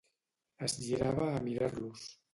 Es girava a mirar-los.